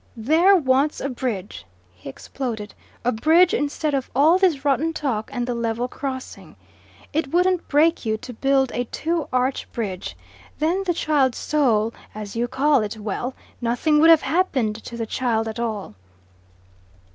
"There wants a bridge," he exploded. "A bridge instead of all this rotten talk and the level crossing. It wouldn't break you to build a two arch bridge. Then the child's soul, as you call it well, nothing would have happened to the child at all."